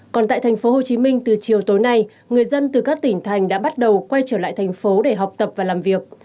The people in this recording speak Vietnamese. còn tại thành phố hồ chí minh từ chiều tối nay người dân từ các tỉnh thành đã bắt đầu quay trở lại thành phố để học tập và làm việc